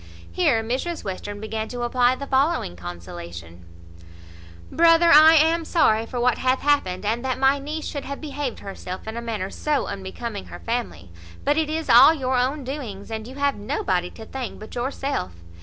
Here Mrs Western began to apply the following consolation: "Brother, I am sorry for what hath happened; and that my niece should have behaved herself in a manner so unbecoming her family; but it is all your own doings, and you have nobody to thank but yourself.